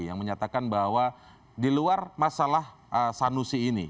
yang menyatakan bahwa di luar masalah sanusi ini